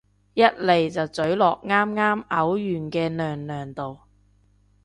一嚟就咀落啱啱嘔完嘅娘娘度